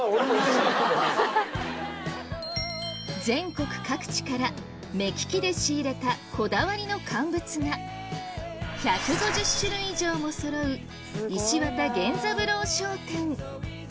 全国各地から目利きで仕入れたこだわりの乾物が１５０種類以上もそろう石渡源三郎商店